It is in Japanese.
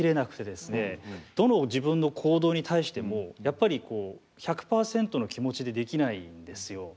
どの自分の行動に対してもやっぱりこう１００％の気持ちでできないんですよ。